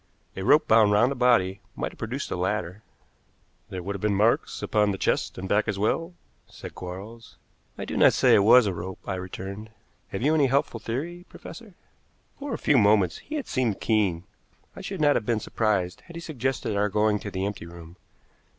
A rope bound round the body might have produced the latter." "There would have been marks upon the chest and back as well," said Quarles. "I do not say it was a rope," I returned. "Have you any helpful theory, professor?" For a few moments he had seemed keen I should not have been surprised had he suggested our going to the empty room.